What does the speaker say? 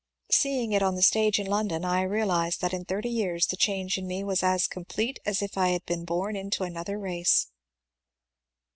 Seeing it on the stage in London, I realized that in thirty years the change in me was as complete as if I had been bom into another race.